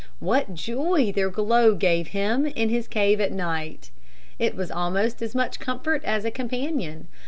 What joy their glow gave him in his cave at night. It was almost as much comfort as a companion.